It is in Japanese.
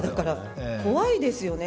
怖いですよね。